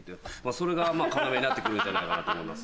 それが要になって来るんじゃないかなと思います